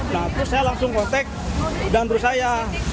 nah terus saya langsung kontek dan berusaha